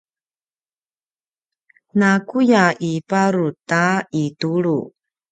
nakuya iparut ta itulu